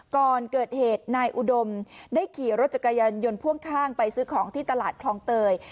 ก่อนเกิดเหตุนายอุดมได้ขี่รถจักรยานยนต์พ่วงข้างไปซื้อของที่ตลาดคลองเตย